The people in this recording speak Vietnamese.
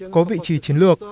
có vị trí chiến lược